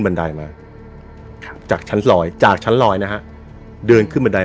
ไดมาครับจากชั้นลอยจากชั้นลอยนะฮะเดินขึ้นบันได